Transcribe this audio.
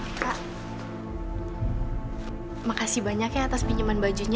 ini bawa juga eliminating kaya itu untuk karyawan bawah kecilgi